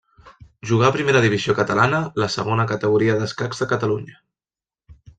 Jugà a primera divisió catalana, la segona categoria d'escacs de Catalunya.